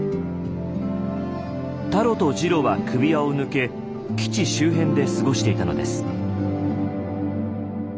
タロとジロは首輪を抜け基地周辺で過ごしていたのです。